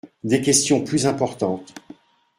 Des questions plus importantes.